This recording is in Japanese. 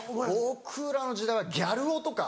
僕らの時代はギャル男とか。